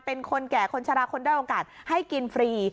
เป็นคนแก่คนชะลาคนด้อยโอกาสให้กินฟรี